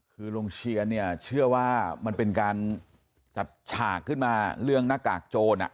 คือลุงเชียร์เนี่ยเชื่อว่ามันเป็นการจัดฉากขึ้นมาเรื่องหน้ากากโจร